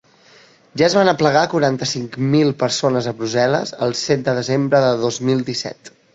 Ja es van aplegar quaranta-cinc mil persones a Brussel·les el set de desembre de dos mil disset.